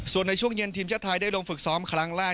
ส่วนในช่วงเย็นทีมชาติไทยได้ลงฝึกซ้อมครั้งแรก